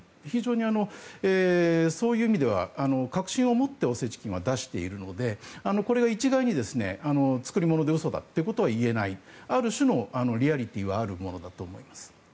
非常にそういう意味では確信を持ってオセチキンは出しているのでこれは一概に作り物で嘘だとは言えないある種のリアリティーはあるものだと思います。